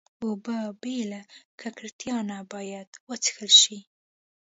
اوبه بې له ککړتیا نه باید وڅښل شي.